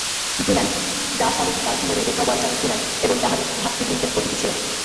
ভ্রূম্যান, ডা স্বামীজী বাল্টিমোরে রেভা ওয়াল্টার ভ্রূম্যান এবং তাঁহার ভ্রাতৃবৃন্দের অতিথি ছিলেন।